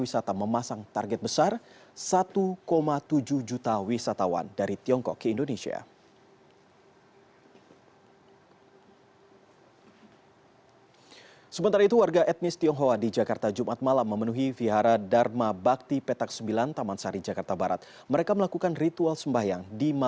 sampai jumpa di video selanjutnya